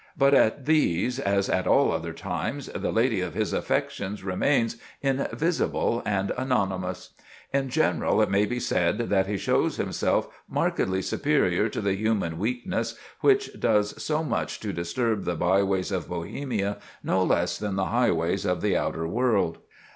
But at these, as at all other times, the lady of his affections remains "invisible and anonymous." In general, it may be said that he shows himself markedly superior to the human weakness which does so much to disturb the byways of Bohemia no less than the highways of the outer world.